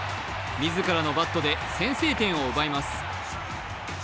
自らのバットで先制点を奪います。